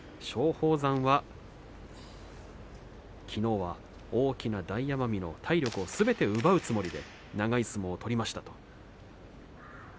松鳳山はきのうは大きな大奄美の体力をすべて奪うつもりで長い相撲を取りましたと。